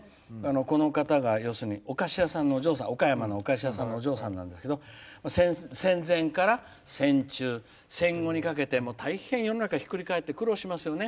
この方が、要するに岡山のお菓子屋さんのお嬢さんなんですけど戦前から戦中、戦後にかけて大変、世の中ひっくり返って苦労しますよね。